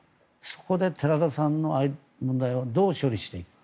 そこで寺田さんの問題をどう処理していくか。